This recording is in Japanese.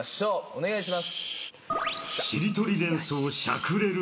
お願いします。